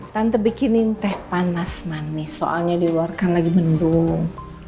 tante bikinin teh panas manis soalnya di luar kan lagi mendung